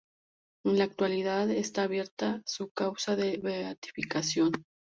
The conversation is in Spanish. En la actualidad, está abierta su causa de beatificación.